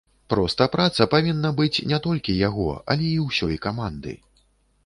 Проста праца павінна быць не толькі яго, але і ўсёй каманды.